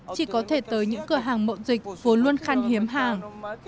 chỉ có thể tới những cửa hàng mậu dịch vốn luôn khăn hiếm hàng